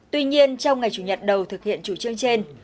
tuy nhiên trong ngày chủ nhật đầu thực hiện chủ trương trên